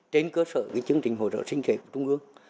trên cơ sở chương trình hỗ trợ sinh kế của trung ương